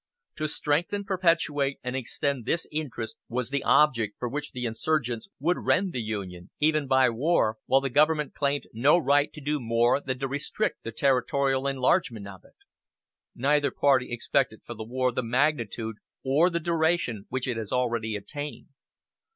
To strengthen, perpetuate and extend this interest was the object for which the insurgents would rend the Union, even by war; while the government claimed no right to do more than to restrict the territorial enlargement of it. "Neither party expected for the war the magnitude or the duration which it has already attained.